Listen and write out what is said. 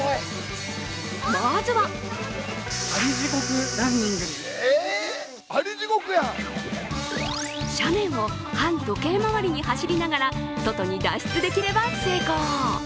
まずは斜面を反時計回りに走りながら外に脱出できれば成功。